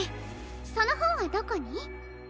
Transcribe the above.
そのほんはどこに？